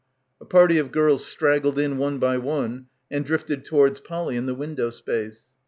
A party of girls straggled in one by one and drifted towards Polly in the window space.